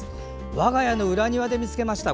我が家の裏庭で見つけました。